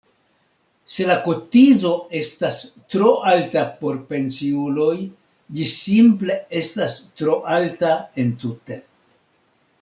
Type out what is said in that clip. Se la kotizo estas tro alta por pensiuloj, ĝi simple estas tro alta entute.